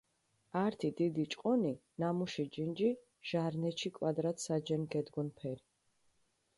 ართი დიდი ჭყონი, ნამუში ჯინჯი ჟარნეჩი კვადრატ საჯენ გედგუნფერი.